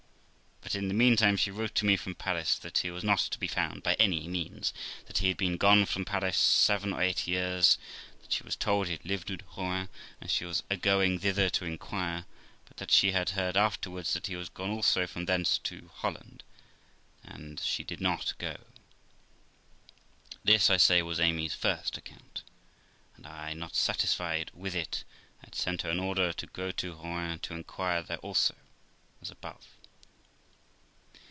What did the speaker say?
But, in the meantime, she wrote to me from Paris that he was not to be found by any means; that he had been gone from Paris seven or eight years ; that she was told he had lived at Rouen, and she was agoing thither to inquire, but that she had heard afterwards that he was gone also from thence to Holland, so she did not go. This, J say, was Amy's first account; and I, not satisfied with it, had sent her an order to go to Rouen to inquire there also, as above.